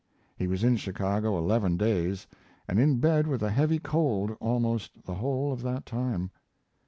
He was in Chicago eleven days, and in bed with a heavy cold almost the whole of that time.